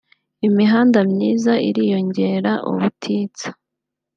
imihanda myiza iriyongera ubutitsa